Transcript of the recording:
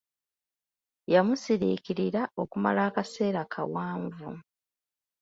Yamusiriikirira okumala akaseera kawanvu.